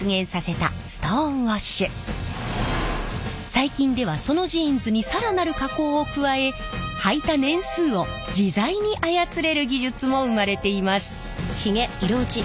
最近ではそのジーンズに更なる加工を加えはいた年数を自在に操れる技術も生まれています。